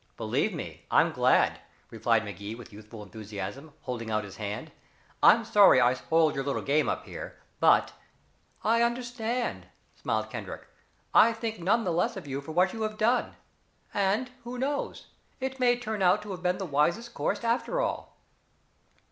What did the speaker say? "Believe me, I'm glad," replied Magee with youthful enthusiasm, holding out his hand. "I'm sorry I spoiled your little game up here, but " "I understand," smiled Kendrick. "I think none the less of you for what you have done. And who knows? It may turn out to have been the wisest course after all."